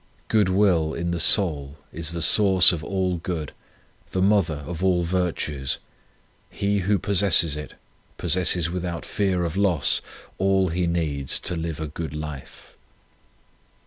Good will in the soul is the source of all good, the mother of all virtues. He who possesses it, possesses without fear of loss all he needs to live a good life.